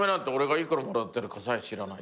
幾らもらってるかさえも知らない。